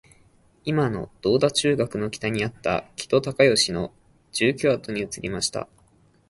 いまの銅駝中学の北にあった木戸孝允の住居跡に移りました